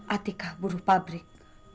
atika buruh pabrik